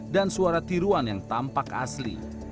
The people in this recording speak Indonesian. dan suara tiruan yang tampak asli